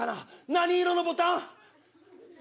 何色のボタン？